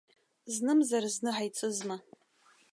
Знымзар зны ҳаицызма!